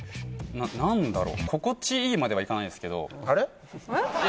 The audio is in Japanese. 何だろう心地いいまではいかないんですけどあれ？